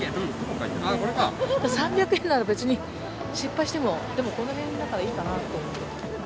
３００円なら、別に失敗しても、でもこのへんだからいいかなと思って。